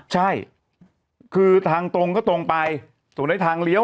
ใช่คือทางตรงก็ตรงไปส่วนในทางเลี้ยว